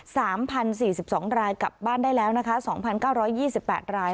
สามพันสี่สิบสองรายกลับบ้านได้แล้วนะคะสองพันเก้าร้อยยี่สิบแปดราย